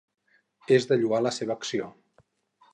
És de lloar la seva acció.